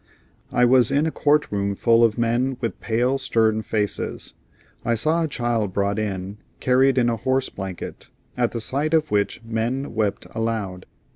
I was in a court room full of men with pale, stern faces. I saw a child brought in, carried in a horse blanket, at the sight of which men wept aloud.